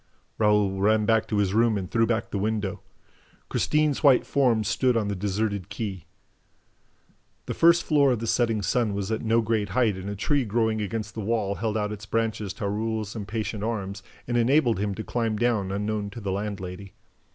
Raoul ran back to his room and threw back the window. Christine's white form stood on the deserted quay. The first floor of the Setting Sun was at no great height and a tree growing against the wall held out its branches to Raoul's impatient arms and enabled him to climb down unknown to the landlady.